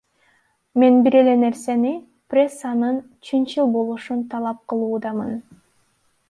Мен бир эле нерсени, прессанын чынчыл болушун талап кылуудамын.